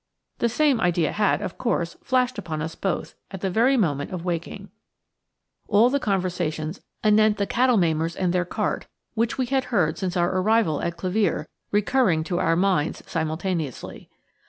The same idea had, of course, flashed upon us both, at the very moment of waking: all the conversations anent the cattle maimers and their cart, which we had heard since our arrival at Clevere, recurring to our minds simultaneously.